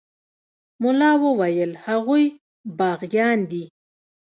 ملا وويل هغوى باغيان دي.